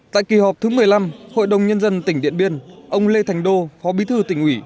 tại kỳ họp thứ một mươi năm hội đồng nhân dân tỉnh điện biên ông lê thành đô phó bí thư tỉnh ủy